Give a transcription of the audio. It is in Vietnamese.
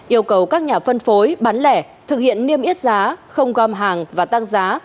yêu cầu các nhà phân phối bán lẻ thực hiện niêm yết giá không gom hàng và tăng giá